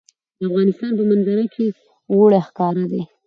د افغانستان په منظره کې اوړي ښکاره ده.